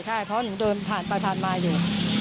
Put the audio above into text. ใช่เพราะหนูเดินผ่านไปผ่านมาอยู่